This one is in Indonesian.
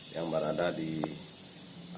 yang berada di gunung agung